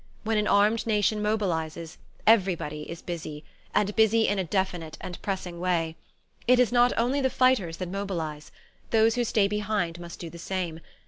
When an armed nation mobilizes, everybody is busy, and busy in a definite and pressing way. It is not only the fighters that mobilize: those who stay behind must do the same.